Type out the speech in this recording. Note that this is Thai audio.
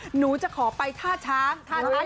หนูจะขอไปท่าช้างท่าที่ไหน